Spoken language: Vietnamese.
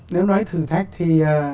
nếu nói thử thách thì